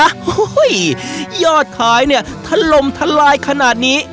โอ้โหหอยยอดท้ายเนี่ยทะลมทะลายขนาดนี้